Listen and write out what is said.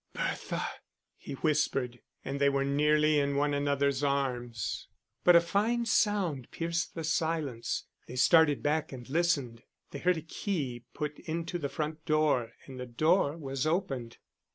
"Bertha," he whispered, and they were nearly in one another's arms. But a fine sound pierced the silence; they started back and listened. They heard a key put into the front door, and the door was opened.